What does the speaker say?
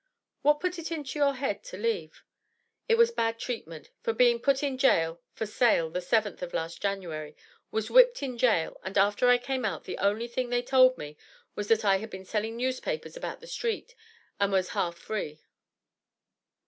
"What put it into your head to leave?" "It was bad treatment; for being put in jail for sale the 7th of last January; was whipped in jail and after I came out the only thing they told me was that I had been selling newspapers about the streets, and was half free."